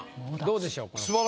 どうでしょう？